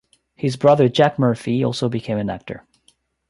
His brother Jack Murphy also became an actor.